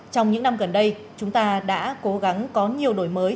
trong những năm gần đây chúng ta đã cố gắng có nhiều đổi mới